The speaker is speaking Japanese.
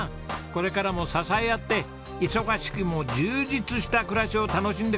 これからも支え合って忙しくも充実した暮らしを楽しんでください。